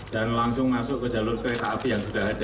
dan langsung masuk ke jalur kereta api yang sudah ada jadi